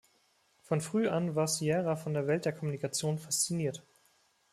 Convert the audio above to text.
Von früh an war Sierra von der Welt der Kommunikation fasziniert.